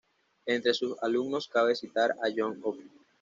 Entre sus alumnos cabe citar a John Opie.